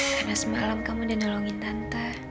karena semalam kamu udah nolongin tante